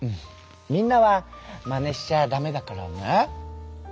みんなはマネしちゃダメだからね。